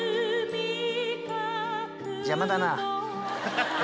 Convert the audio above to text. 邪魔だな。